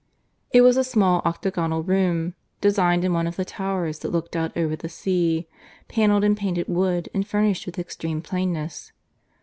It was a small octagonal room, designed in one of the towers that looked out over the sea; panelled in painted wood and furnished with extreme plainness.